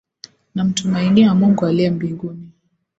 Namtumainia Mungu aliye mbinguni.